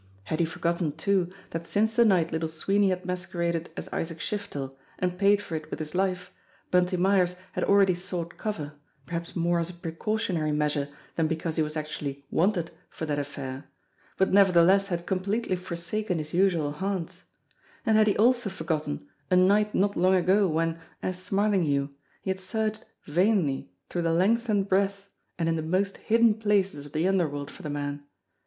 Had he forgotten too that since the night Little Sweeney had masqueraded as Isaac Shiftel and paid for it with his life, Bunty Myers had already sought cover, perhaps more as a precautionary measure than because he was actually "wanted" for that affair, but nevertheless had completely forsaken his usual haunts ; and had he also for gotten a night not long ago when, as Smarlinghue, he had searched vainly through the length and breadth and in the most hidden places of the underworld for the man?